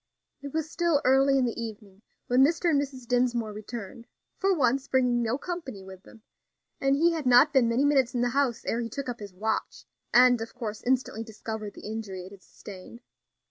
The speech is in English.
It was still early in the evening when Mr. and Mrs. Dinsmore returned for once, bringing no company with them; and he had not been many minutes in the house ere he took up his watch, and of course instantly discovered the injury it had sustained.